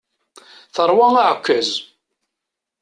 Terwa aɛekkaz.